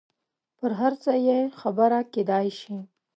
پر هر څه یې خبره کېدای شي.